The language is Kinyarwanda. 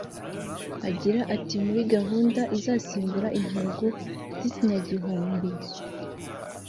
Agira ati “Muri gahunda izasimbura intego z’ikinyagihumbi